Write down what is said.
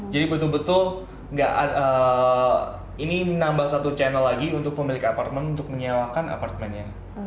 jadi betul betul nggak ada ini nambah satu channel lagi untuk pemilik apartemen untuk menyewakan apartemennya